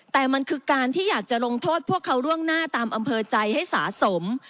แต่มันคือการที่อยากจะลงโทษพวกเขาร่วงหน้าตามอำเภอใจให้สะสม